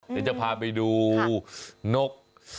เดี๋ยวจะพาไปดูนก